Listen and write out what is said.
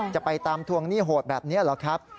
จะไปตามทวงหนี้โหดแบบนี้เหรอครับ